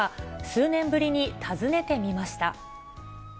数年ぶりに訪ねてみました。